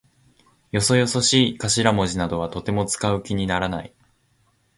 よそよそしい頭文字などはとても使う気にならない。